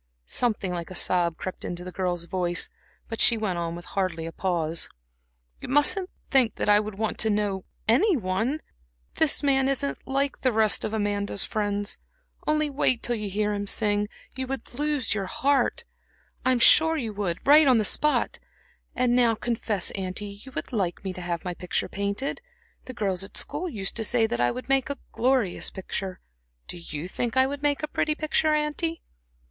Something like a sob crept into the girl's voice, but she went on with hardly a pause: "You mustn't think that I would want to know any one. This man isn't like the rest of Amanda's friends. Only wait till you hear him sing you would lose your heart, I'm sure, on the spot. And now, confess, auntie, you would like me to have my picture painted. The girls at school used to say that I would make a glorious picture. Do you think I would make a pretty picture, auntie?"